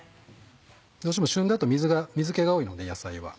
どうしても旬だと水気が多いので野菜は。